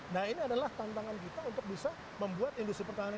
nah ini adalah tantangan kita untuk bisa membuat industri pertahanan